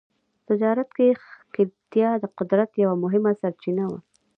تجارت کې ښکېلتیا د قدرت یوه مهمه سرچینه وه.